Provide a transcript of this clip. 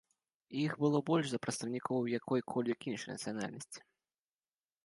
Іх было больш за прадстаўнікоў якой-кольвек іншай нацыянальнасці.